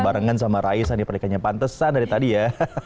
barengan sama raisa nih pernikahannya pantesan dari tadi ya